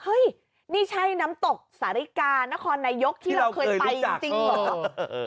เฮ้ยนี่ใช่น้ำตกสาริกานครนายกที่เราเคยไปจริงเหรอ